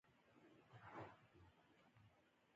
پلار نیکه غوره کړی و